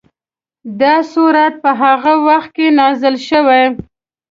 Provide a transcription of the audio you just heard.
دا سورت په هغه وخت کې نازل شوی.